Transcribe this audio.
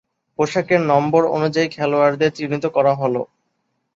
পোশাকের নম্বর অনুযায়ী খেলোয়াড়দের চিহ্নিত করা হলো।